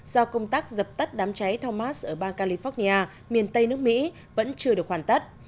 do công tác dập tắt đám cháy thomas ở bang california miền tây nước mỹ vẫn chưa được hoàn tất